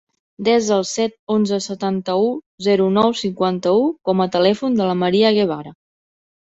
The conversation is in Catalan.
Desa el set, onze, setanta-u, zero, nou, cinquanta-u com a telèfon de la Maria Guevara.